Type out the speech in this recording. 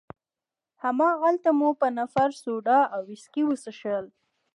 هماغلته مو په نفر سوډا او ویسکي وڅښل.